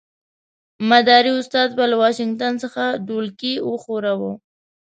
مداري استاد به له واشنګټن څخه ډولکی وښوراوه.